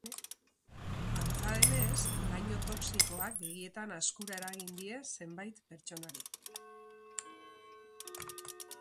Antza denez, laino toxikoak begietan azkura eragin die zenbait pertsonari.